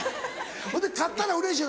ほんで勝ったらうれしいの？